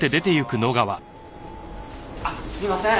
あっすいません。